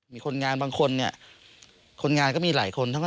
มีคนงานบางคนคนงานก็มีหลายคน